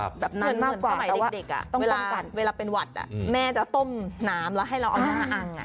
เชิญเหมือนสมัยเด็กเวลาเป็นหวัดแม่จะต้มน้ำแล้วให้เราเอาน้ำอัง